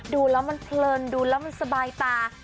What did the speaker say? ดูแล้วมันเพลินดูแล้วมันสบายตา